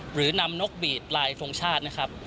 หรือนำนกบีดลายทรงชาตินะครับ